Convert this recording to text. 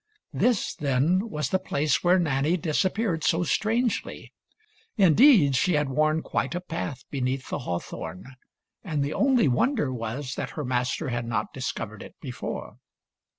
This, then, was the place where Nanny disappeared so strangely; indeed, she had worn quite a path beneath the hawthorn, and the only wonder was that her master had not dis covered it before.